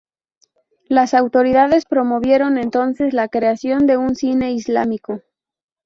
Las autoridades promovieron entonces la creación de un cine islámico.